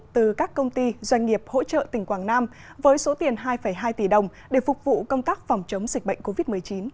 từ các công ty doanh nghiệp hỗ trợ tỉnh quảng nam với số tiền hai hai tỷ đồng để phục vụ công tác phòng chống dịch bệnh covid một mươi chín